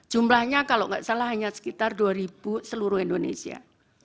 jumlahnya kalau nggak salah hanya sekitar dua seluruh indonesia